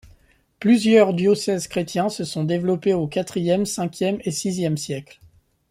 Plusieurs diocèses chrétiens se sont développés aux quatrième, cinquième et sixième siècles.